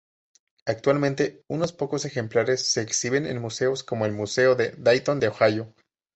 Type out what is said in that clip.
Actualmente unos pocos ejemplares se exhiben en museos, como el Museo Dayton de Ohio.